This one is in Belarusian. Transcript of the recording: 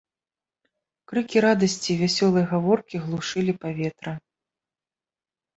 Крыкі радасці і вясёлыя гаворкі глушылі паветра.